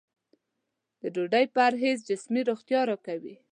د ډوډۍ پرهېز جسمي روغتیا راکوي.